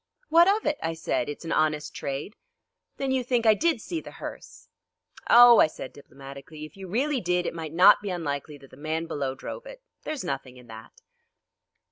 "What of it?" I said. "It's an honest trade." "Then you think I did see the hearse?" "Oh," I said diplomatically, "if you really did, it might not be unlikely that the man below drove it. There is nothing in that."